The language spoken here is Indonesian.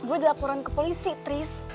gue dilaporkan ke polisi tris